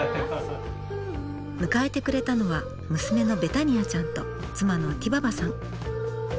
迎えてくれたのは娘のベタニアちゃんと妻のティババさん。